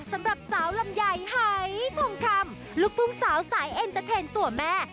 สำหรับสาวลำไยหายทองคำลูกทุ่งสาวสายเอ็นเตอร์เทนตัวแม่